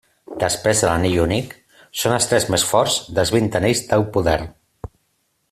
Després de l'Anell Únic, són els tres més forts dels vint Anells del Poder.